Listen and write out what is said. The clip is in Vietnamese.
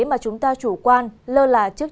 mà chúng ta chủ quan lơ là trước